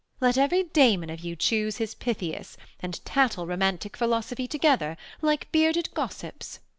Let every Damon of you chuse his Pythias, And tattle romantic philosophy Together, like bearded gossips.